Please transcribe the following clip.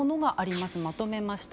まとめました。